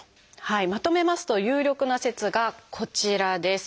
まとめますと有力な説がこちらです。